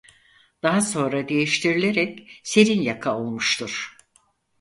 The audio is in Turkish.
Daha sonra değiştirilerek Serinyaka olmuştur.